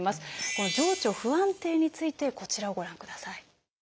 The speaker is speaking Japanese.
この情緒不安定についてこちらをご覧ください。